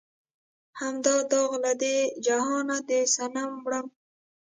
هم دا داغ لۀ دې جهانه د صنم وړم